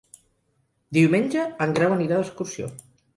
Diumenge en Grau anirà d'excursió.